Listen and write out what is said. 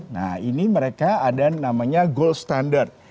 nah ini mereka ada namanya goal standard